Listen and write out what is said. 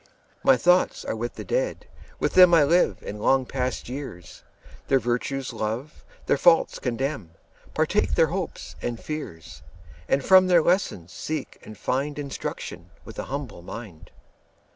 My thoughts are with the Dead; with them I live in long past years, Their virtues love, their faults condemn, 15 Partake their hopes and fears; And from their lessons seek and find Instruction with an humble mind.